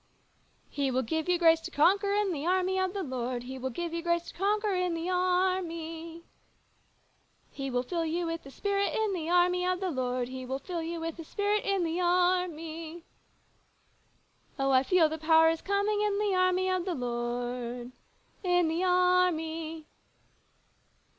" He will give you grace to conquer In the Army of the Lord : He will give you grace to conquer In the Army. " He will fill you with His Spirit In the Army of the Lord : He will fill you with His Spirit In the Army. " Oh ! I feel the power is coming In the Army of the Lord : In the Army."